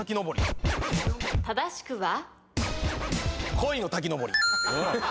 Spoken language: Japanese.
鯉の滝登り。